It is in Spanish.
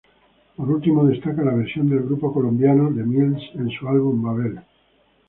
Por último, destaca la versión del grupo colombiano The Mills en su álbum "Babel".